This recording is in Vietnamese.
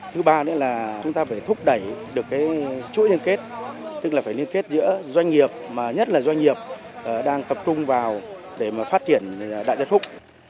thứ ba nữa là chúng ta phải thúc đẩy được cái chuỗi liên kết tức là phải liên kết giữa doanh nghiệp mà nhất là doanh nghiệp đang tập trung vào để mà phát triển đại gia súc